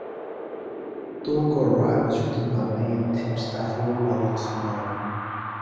"Doing All Right" was written by May and Tim Staffell while in Smile.